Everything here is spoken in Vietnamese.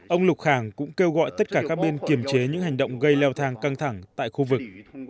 ông lục khẳng cũng kêu gọi tất cả các bên kiềm chế những hành động gây leo thang căng thẳng tại khu vực